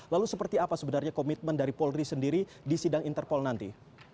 lalu seperti apa sebenarnya komitmen dari polri sendiri di sidang interpol nanti